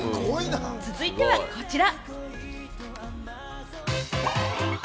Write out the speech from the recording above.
続いてはこちら。